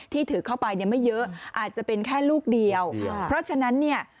ที่ถือเข้าไปเนี่ยไม่เยอะอาจจะเป็นแค่ลูกเดียวเพราะฉะนั้นเนี่ย